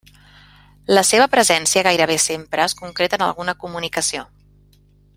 La seva presència gairebé sempre es concreta en alguna comunicació.